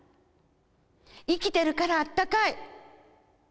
生きてるからあったかい。